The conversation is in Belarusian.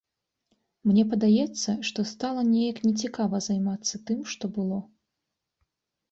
Мне падаецца, што стала неяк не цікава займацца тым, што было.